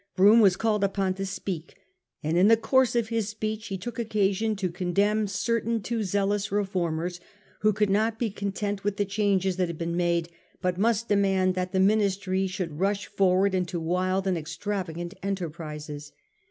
Brougham was called upon to speak, and in the course of his speech he took occasion to condemn certain too zealous Re formers who could not be content with the changes that had been made, but must demand that the Ministry should rush forward into wild and extra vagant enterprises.